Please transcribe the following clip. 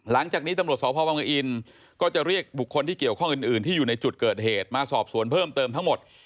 หลังจากนี้ตำรวจสพบังปะอินก็จะเรียกบุคคลที่เกี่ยวข้องอื่นที่อยู่ในจุดเกิดเหตุมาสอบสวนเพิ่มเติมทั้งหมด